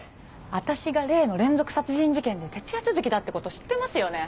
私が例の連続殺人事件で徹夜続きだってこと知ってますよね